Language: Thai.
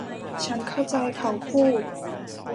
ฉันเข้าใจ เขาพูด